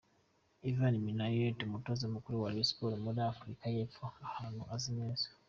Ivan Minaert Umutoza mukuru wa Rayon Sports muri Afurika y'Epfo ahantu azi neza .